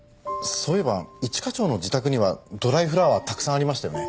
そういえば一課長の自宅にはドライフラワーたくさんありましたよね。